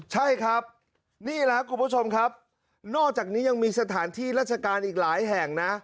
ใช่ครับนี่แหละครับคุณผู้ชมครับนอกจากนี้ยังมีสถานที่ราชการอีกหลายแห่งนะ